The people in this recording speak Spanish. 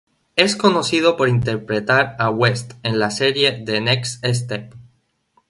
Es conocido por interpretar a West en la serie The Next Step.